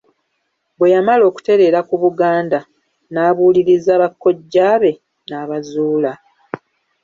Bwe yamala okutereera ku Buganda n'abuuliriza bakojjaabe n'aba-zuula.